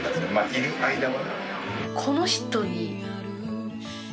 いる間はね。